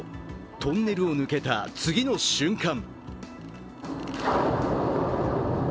トンネルを抜けた次の瞬間